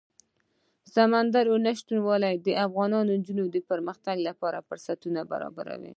سمندر نه شتون د افغان نجونو د پرمختګ لپاره فرصتونه برابروي.